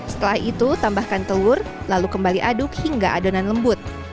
setelah itu tambahkan telur lalu kembali aduk hingga adonan lembut